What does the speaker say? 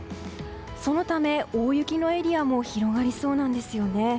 そのため、大雪のエリアも広がりそうなんですよね。